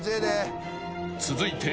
［続いて］